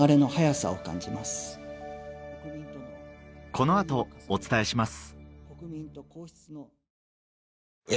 この後お伝えします